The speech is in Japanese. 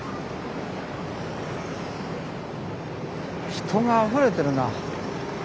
人があふれてるな。